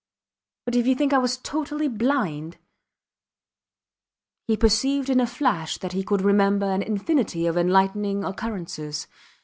But if you think I was totally blind ... He perceived in a flash that he could remember an infinity of enlightening occurrences.